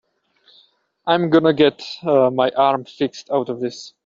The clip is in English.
I'm gonna get my arm fixed out of this.